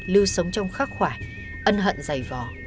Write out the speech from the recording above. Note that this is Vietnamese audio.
lưu sống trong khắc khoải ân hận dày vò